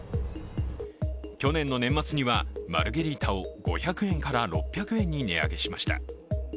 去年の年末にはマルゲリータを５００円から６００円に値上げしました。